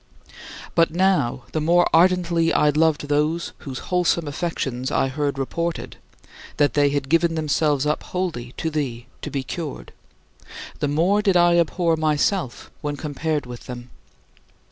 17. But now, the more ardently I loved those whose wholesome affections I heard reported that they had given themselves up wholly to thee to be cured the more did I abhor myself when compared with them.